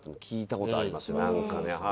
聞いたことありますね